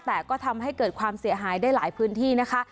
แต่ก็ทำให้เกิดความเสียหายได้หลายพื้นที่นะคะ